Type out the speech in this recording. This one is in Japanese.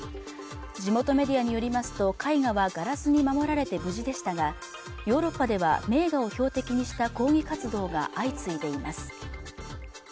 地元メディアによりますと絵画はガラスに守られて無事でしたがヨーロッパでは名画を標的にした抗議活動が相次いでいます